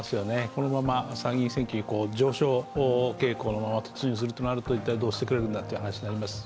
このまま参議院選挙に上昇傾向のまま突入することになると、一体どうしてくれるんだという話になりますし。